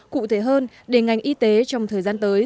cụ thể hơn để ngành y tế trong thời gian tới